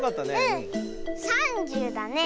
３０だね。